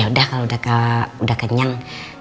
yaudah kalo udah kenyang